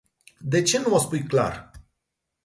De ce nu o spui clar?